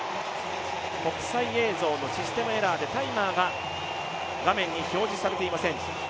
国際映像のシステムエラーでタイマーが画面に表示されていません。